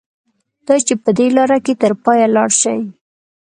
دا چې په دې لاره کې تر پایه لاړ شي.